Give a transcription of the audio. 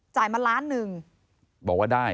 มาล้านหนึ่งบอกว่าได้